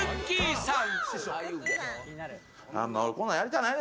さん。